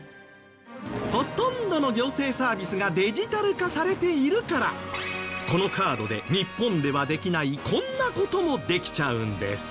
ほとんどの行政サービスがデジタル化されているからこのカードで日本ではできないこんな事もできちゃうんです。